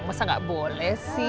masa nggak boleh sih